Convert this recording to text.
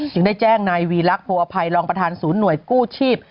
จึงได้แจ้งนายวีลักษัวภัยรองประธานศูนย์หน่วยกู้ชีพ